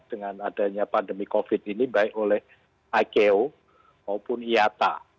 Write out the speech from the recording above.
dengan adanya pandemi covid ini baik oleh iko maupun iata